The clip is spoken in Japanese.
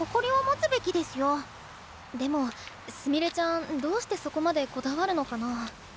でもすみれちゃんどうしてそこまでこだわるのかな。